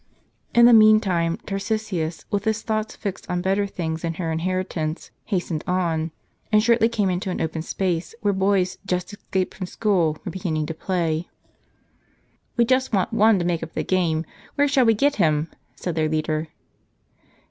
In the meantime, Tarcisius, with his thoughts fixed on better things than her inheritance, hastened on, and shortly came into an open space, where boys, just escaped from school, were beginning to play. "We just want one to make up the game ; where shall we get him ?" said their leader.